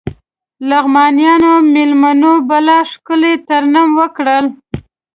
لغمانيو مېلمنو بلا ښکلی ترنم وکړ.